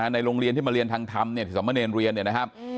ในโรงเรียนที่มาเรียนทางธรรมที่สมเนรเรียนเนี่ยนะครับ